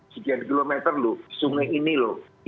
sekian kilometer loh sungai ini loh